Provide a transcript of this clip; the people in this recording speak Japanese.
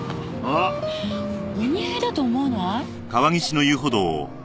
お似合いだと思わない？